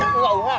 bukan udah makan